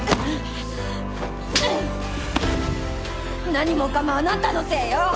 何もかもあなたのせいよ